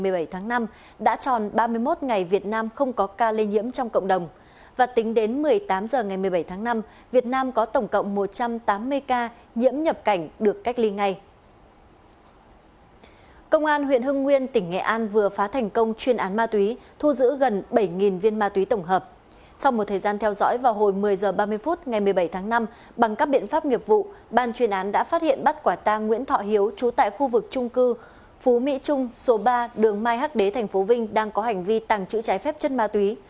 bằng các biện pháp nghiệp vụ ban chuyên án đã phát hiện bắt quả tang nguyễn thọ hiếu trú tại khu vực trung cư phú mỹ trung số ba đường mai hắc đế tp vinh đang có hành vi tàng trữ trái phép chân ma túy